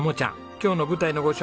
今日の舞台のご紹介